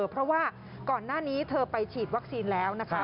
เพราะว่าก่อนหน้านี้เธอไปฉีดวัคซีนแล้วนะคะ